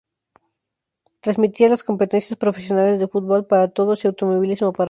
Transmitía las competencias profesionales de Fútbol para Todos y Automovilismo para todos.